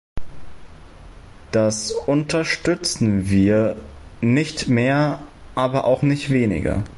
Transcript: Das unterstützen wir, nicht mehr aber auch nicht weniger.